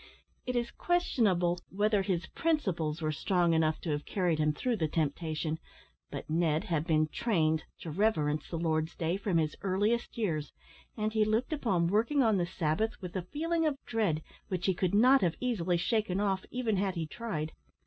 It is questionable whether his principles were strong enough to have carried him through the temptation, but Ned had been trained to reverence the Lord's day from his earliest years, and he looked upon working on the Sabbath with a feeling of dread which he could not have easily shaken off, even had he tried.